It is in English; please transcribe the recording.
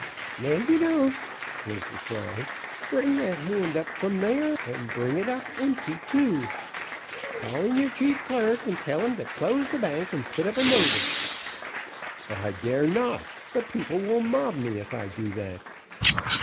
"No you don't!" was the cry. "Bring that hand up from there, and bring it up empty, too! Call in your chief clerk and tell him to close the bank and put up a notice!" "I dare not; the people will mob me if I do that."